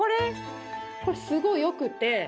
これすごい良くて。